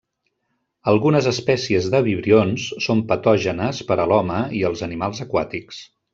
Algunes espècies de vibrions són patògenes per a l'home i els animals aquàtics.